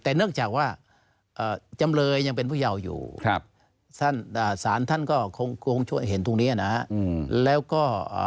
แต่เนื่องจากว่าจำเลยอีกตรงเป็นผู้ยาวอยู่ศาลท่านก็เข้ามาถึงแล้วก็